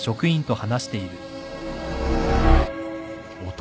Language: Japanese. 男？